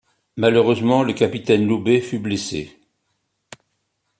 Malheureusement, le Capitaine Loubet fut blessé.